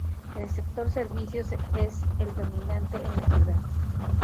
El sector servicios es el dominante en la ciudad.